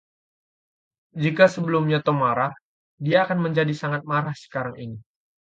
Jika sebelumnya Tom marah, dia akan menjadi sangat marah sekarang ini.